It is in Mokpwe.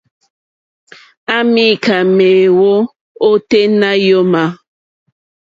À mìká méèwó óténá yǒmà.